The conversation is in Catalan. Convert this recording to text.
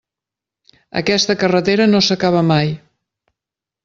Aquesta carretera no s'acaba mai.